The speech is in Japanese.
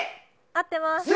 合ってます。